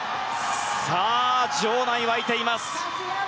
場内、沸いています。